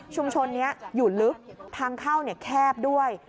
นี้อยู่ลึกทางเข้าแคบด้วย